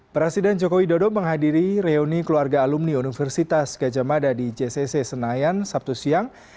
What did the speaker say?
presiden joko widodo menghadiri reuni keluarga alumni universitas gajah mada di jcc senayan sabtu siang